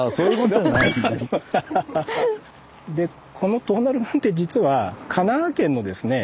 このトーナル岩って実は神奈川県のですね